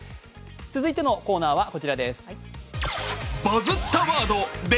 続いてのコーナーはこちらです。